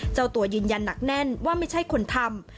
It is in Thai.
เจ้าตัวยืนยันหนักแน่นว่าไม่ใช่คนทำ